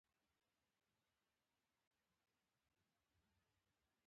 لاړې د خوړو په هضم کې مرسته کوي